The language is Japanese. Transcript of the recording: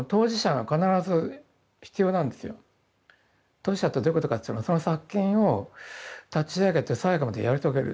当事者ってどういうことかっていうとその作品を立ち上げて最後までやり遂げる。